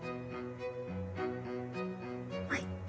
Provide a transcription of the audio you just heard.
はい。